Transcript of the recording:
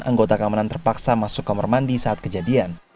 anggota keamanan terpaksa masuk kamar mandi saat kejadian